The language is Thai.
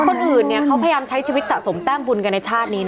คนอื่นเขาพยายามใช้ชีวิตสะสมแต้มบุญกันในชาตินี้นะ